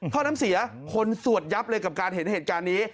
ท่อน้ำเสียคนสวดยับเลยกับการเห็นเหตุการณ์นี้